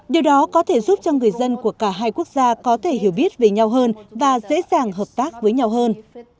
điều đó có thể giúp cho người dân của cả hai quốc gia có thể hiểu biết về nhau hơn và dễ dàng hợp tác với nhau hơn